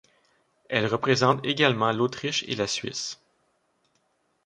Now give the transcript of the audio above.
Elle représente également l'Autriche et la Suisse.